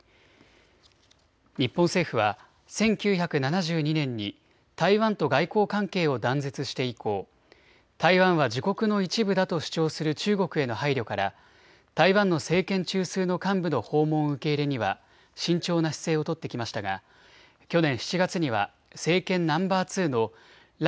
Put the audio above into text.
日本政府は１９７２年に台湾と外交関係を断絶して以降、台湾は自国の一部だと主張する中国への配慮から台湾の政権中枢の幹部の訪問受け入れには慎重な姿勢を取ってきましたが去年７月には政権ナンバー２の頼